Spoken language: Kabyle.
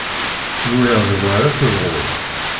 Nwiɣ d wa ara tebɣuḍ.